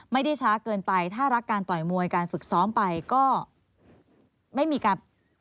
ไม่ได้ช้าเกินไปถ้ารักการต่อยมวยการฝึกซ้อมไปก็ไม่มีการ